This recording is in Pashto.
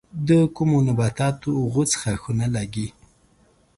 د کومو نباتاتو غوڅ ښاخونه لگي؟